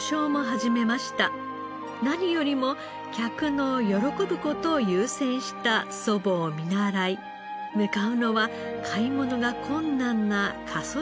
何よりも客の喜ぶ事を優先した祖母を見習い向かうのは買い物が困難な過疎地域です。